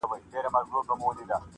زما هدیرې ته به پېغور راځي-